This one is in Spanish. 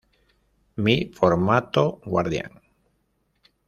Mi formato Guardián.